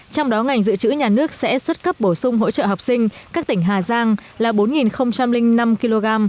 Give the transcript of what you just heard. trong đó ngành dự trữ nhà nước sẽ xuất cấp bổ sung hỗ trợ học sinh các tỉnh hà giang là bốn năm kg